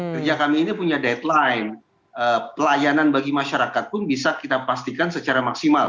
kerja kami ini punya deadline pelayanan bagi masyarakat pun bisa kita pastikan secara maksimal